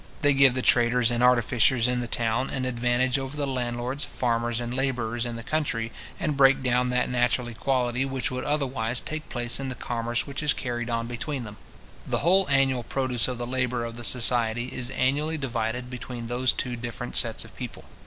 They give the traders and artificers in the town an advantage over the landlords, farmers, and labourers, in the country, and break down that natural equality which would otherwise take place in the commerce which is carried on between them. The whole annual produce of the labour of the society is annually divided between those two different sets of people.